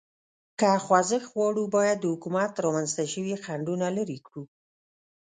که خوځښت غواړو، باید د حکومت رامنځ ته شوي خنډونه لرې کړو.